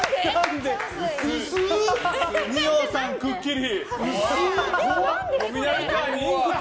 二葉さん、くっきり。